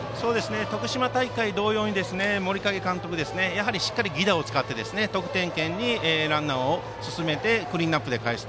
徳島大会同様に森影監督はやはりしっかり犠打を使って得点圏にランナーを進めてクリーンナップでかえす。